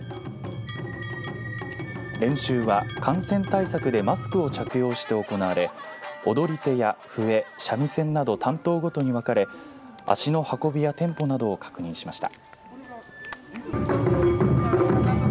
練習は感染対策でマスクを着用して行われ踊り手や笛三味線など担当ごとに分かれ足の運びやテンポなどを確認しました。